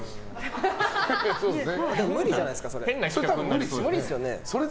無理じゃないですか、それ。